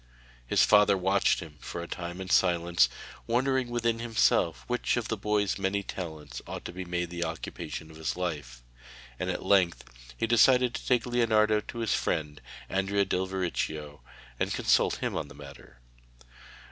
His father watched him for a time in silence, wondering within himself which of the boy's many talents ought to be made the occupation of his life, and at length he decided to take Leonardo to his friend Andrea del Verrocchio, and consult him on the matter.